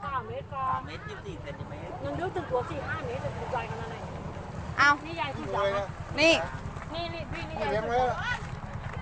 นี่นี่นี่นี่นี่นี่นี่